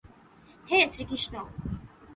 হে Shrikrishna!